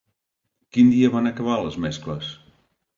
Quin dia van acabar les mescles?